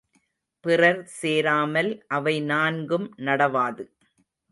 பிறர் சேராமல் அவை நான்கும் நடவாது.